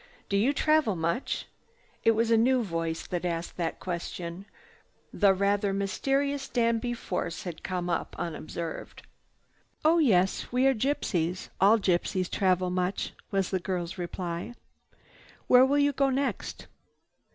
"Do you travel much?" It was a new voice that asked this question. The rather mysterious Danby Force had come up unobserved. "Oh yes! We are gypsies. All gypsies travel much," was the girl's reply. "Where will you go next?"